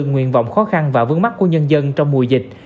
nguyện vọng khó khăn và vướng mắt của nhân dân trong mùa dịch